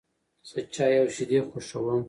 زه چای او شیدې خوښوم.